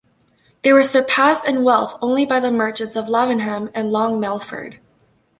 They were surpassed in wealth only by the merchants of Lavenham and Long Melford.